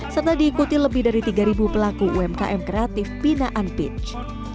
serta diikuti lebih dari tiga pelaku umkm kreatif binaan pitch